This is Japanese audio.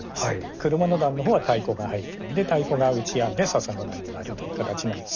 車之段の方は太鼓が入って太鼓が打ちやんで笹之段になるという形なんですが。